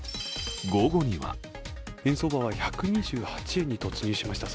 午後には円相場は１２８円に突入しました。